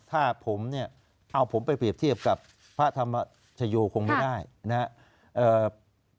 ถ้าผมเนี่ยเอาผมไปเปรียบเทียบกับพระธรรมชโยคงไม่ได้นะครับ